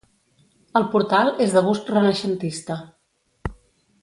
El portal és de gust renaixentista.